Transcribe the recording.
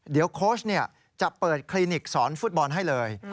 เดี๋ยวโค้ชจะเปิดคลินิกสอนฟุตบอลให้เลย